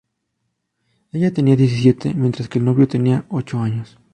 Ella tenía diecisiete, mientras que el novio tenía ocho años.